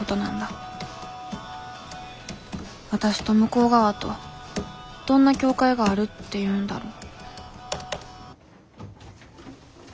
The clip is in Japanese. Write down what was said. わたしと向こう側とどんな境界があるっていうんだろう